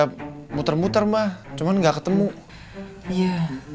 da enggak muter muter mah cuman enggak ketemu iya